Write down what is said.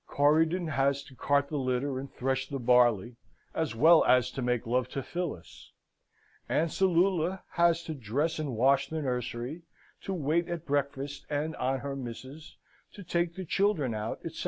Corydon has to cart the litter and thresh the barley, as well as to make love to Phillis; Ancillula has to dress and wash the nursery, to wait at breakfast and on her misses, to take the children out, etc.